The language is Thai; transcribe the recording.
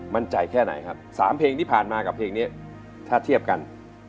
มั่นใจแค่ไหนครับ๓เพลงที่ผ่านมากับเพลงนี้ถ้าเทียบกัน